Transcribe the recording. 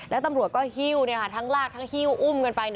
แล้วตำรวจก็หิ้วทั้งลากทั้งฮิ้วอุ้มกันไป